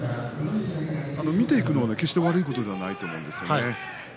見ていくのは決して悪いことではないと思うんですね。